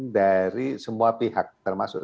dari semua pihak termasuk